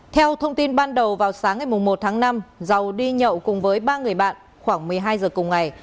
theo thông tin ban đầu vào sáng ngày một tháng năm giàu đi nhậu cùng với ba người bạn khoảng một mươi hai giờ cùng ngày